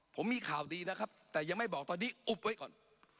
ผมมีข่าวดีนะครับแต่ยังไม่บอกตอนนี้อุ๊บไว้ก่อน